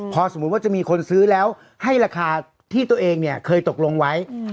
พอสมมุติว่าจะมีคนซื้อแล้วให้ราคาที่ตัวเองเนี่ยเคยตกลงไว้